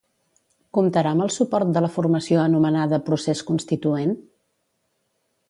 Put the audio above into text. Comptarà amb el suport de la formació anomenada Procés Constituent?